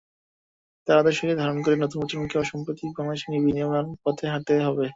তাঁর আদর্শকে ধারণ করে নতুন প্রজন্মকে অসাম্প্রদায়িক বাংলাদেশ বিনির্মাণের পথে হাঁটতে হবে।